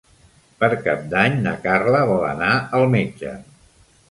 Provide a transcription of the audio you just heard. Per Cap d'Any na Carla vol anar al metge.